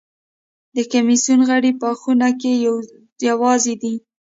د کمېسیون غړي په خونه کې یوازې دي.